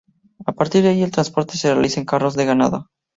A partir de allí el transporte se realizaba en carros de ganado.